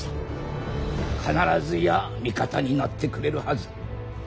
必ずや味方になってくれるはず。